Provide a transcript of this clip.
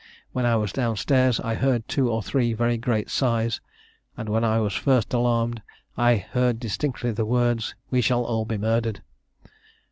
When I was down stairs, I heard two or three very great sighs; and when I was first alarmed, I heard distinctly the words, 'We shall all be murdered.'"